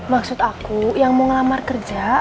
maksud aku yang mau ngelamar kerja